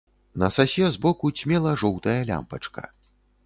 На сасе збоку цьмела жоўтая лямпачка.